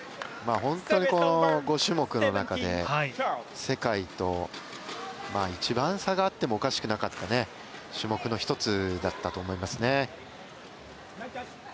本当に５種目の中で世界と一番差があってもおかしくなかった種目の一つだったと思いますね。